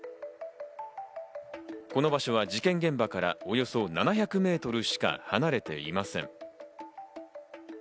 この場所は事件現場からおよそ７００メートルしか離れていません。